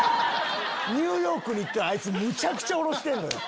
ニューヨークに行ってあいつむちゃくちゃ下ろしてんのよ。